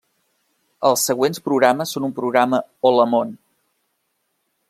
Els següents programes són un programa Hola Món!